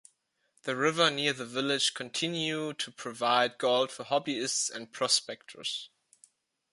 The rivers near the village continue to provide gold for hobbyists and prospectors.